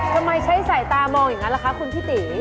ทำไมใช้สายตามองอย่างนั้นล่ะคะคุณพี่ตี